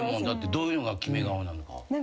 どういうのが決め顔なのか。